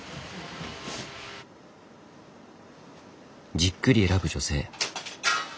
じっくり選ぶ女性。